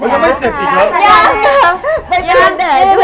ยังไม่เสร็จอีกแล้ว